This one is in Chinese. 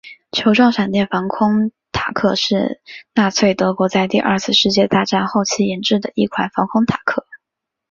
球状闪电防空坦克是纳粹德国在第二次世界大战后期研制的一款防空坦克。